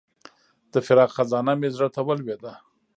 د فراق خزانه مې زړه ته ولوېده.